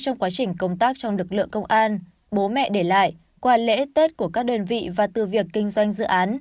trong quá trình công tác trong lực lượng công an bố mẹ để lại qua lễ tết của các đơn vị và từ việc kinh doanh dự án